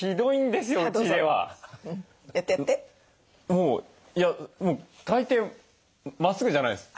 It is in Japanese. もういやもう大抵まっすぐじゃないです。